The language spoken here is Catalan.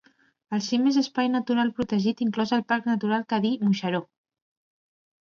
El cim és espai natural protegit inclòs al Parc Natural Cadí-Moixeró.